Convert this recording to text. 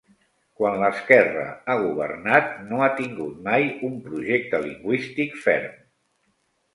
Quan l'esquerra ha governat, no ha tingut mai un projecte lingüístic ferm.